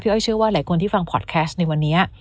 อ้อยเชื่อว่าหลายคนที่ฟังพอดแคสต์ในวันนี้